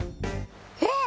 えっ！